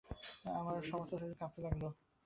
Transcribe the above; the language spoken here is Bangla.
আমার সমস্ত শরীর কাঁপতে লাগল।